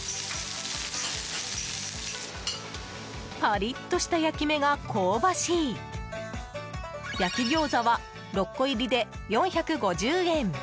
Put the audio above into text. パリッとした焼き目が香ばしい焼き餃子は６個入りで４５０円。